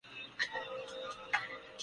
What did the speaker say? مایوسی اس بنا پہ بڑھتی جا رہی ہے۔